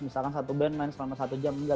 misalkan satu band main selama satu jam enggak